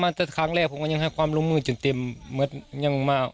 ตั้งแต่ครั้งแรกผมก็ยังให้ความร่วมมือจนเต็มเหมือนยังมา